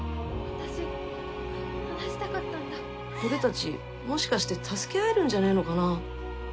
俺たち、もしかして助け合えるんじゃないかな。